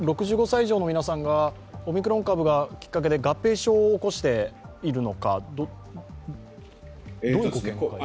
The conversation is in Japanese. ６５歳以上の皆さんがオミクロン株がきっかけで合併症を起こしているのか、どういうことですか？